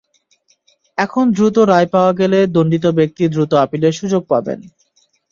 এখন দ্রুত রায় পাওয়া গেলে দণ্ডিত ব্যক্তি দ্রুত আপিলের সুযোগ পাবেন।